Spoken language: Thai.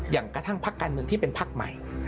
อย่างกระทั่งพักการเมืองที่เป็นพักใหม่